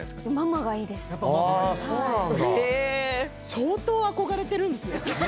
相当憧れてるんですね。